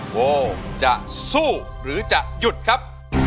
โบจะสู้หรือจะหยุดครับ